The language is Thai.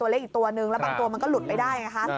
เล็กอีกตัวนึงแล้วบางตัวมันก็หลุดไปได้ไงคะ